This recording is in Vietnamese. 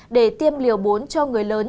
để tiêm liều bốn cho người lớn